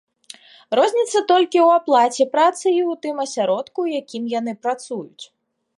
Розніца толькі ў аплаце працы і ў тым асяродку, у якім яны працуюць.